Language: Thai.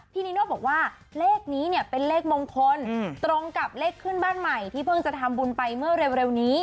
นิโน่บอกว่าเลขนี้เนี่ยเป็นเลขมงคลตรงกับเลขขึ้นบ้านใหม่ที่เพิ่งจะทำบุญไปเมื่อเร็วนี้